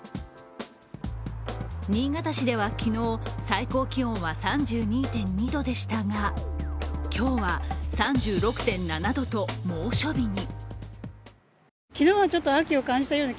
新潟市では昨日、最高気温は３２．２度でしたが今日は３６．７度と猛暑日に。